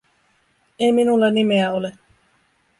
"Ei minulla nimeä ole.